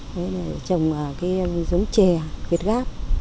đấy là trồng cái giống chè việt gáp